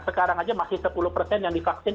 sekarang aja masih sepuluh persen yang divaksin